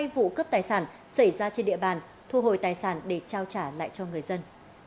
hai vụ cướp tài sản xảy ra trên địa bàn thu hồi tài sản để trao trả lại cho người dân